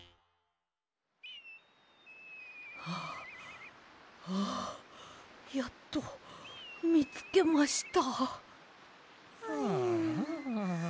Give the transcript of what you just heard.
はあはあやっとみつけました。